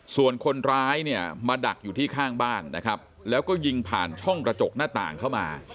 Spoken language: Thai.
ส่วนคนร้ายเนี่ยมาดักอยู่ที่ข้างบ้านนะครับแล้วก็ยิงผ่านช่องกระจกหน้าต่างเข้ามา